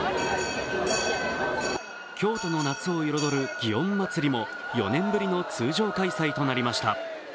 京都の夏を彩る祇園祭も４年ぶりの通常開催となりました。